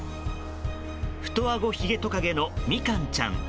フトアゴヒゲトカゲのみかんちゃん。